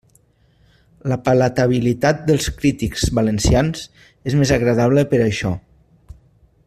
La palatabilitat dels cítrics valencians és més agradable per això.